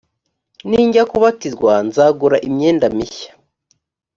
nijya kubatizwa nzagura imyenda mishya